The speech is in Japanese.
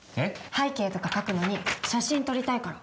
背景とか描くのに写真撮りたいから。